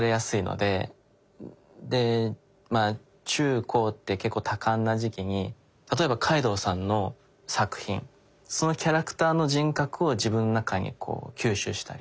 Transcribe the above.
でまぁ中高って結構多感な時期に例えば海堂さんの作品そのキャラクターの人格を自分の中に吸収したり。